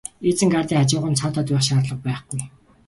Изенгардын хажууханд саатаад байх шаардлага байхгүй.